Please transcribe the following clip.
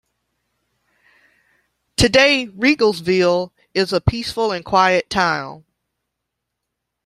Today, Riegelsville is a peaceful and quiet town.